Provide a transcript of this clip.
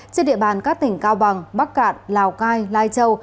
trên địa bàn các tỉnh cao bằng bắc cạn lào cai lai châu